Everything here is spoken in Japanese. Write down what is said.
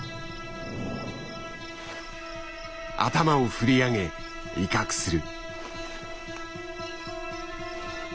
頭を振り上げ威嚇する。